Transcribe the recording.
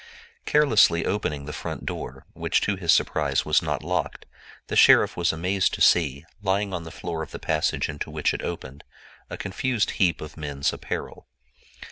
Carelessly opening the front door, which to his surprise was not locked, the sheriff was amazed to see, lying on the floor of the passage into which it opened, a confused heap of men's apparel.